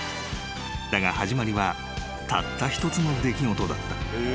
［だが始まりはたった一つの出来事だった］